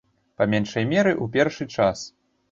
Па меншай меры, у першы час.